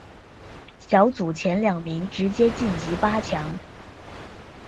小组前两名直接晋级八强。